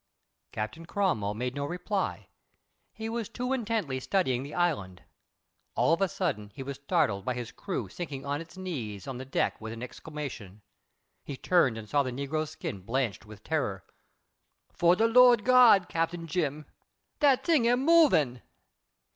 Captain Cromwell made no reply. He was too intently studying the island. All of a sudden he was startled by his crew sinking on its knees on the deck with an exclamation. He turned and saw the negro's skin blanched with terror. "Fo' de Lawd Gawd, Cap. Jim, dat thing am movin'."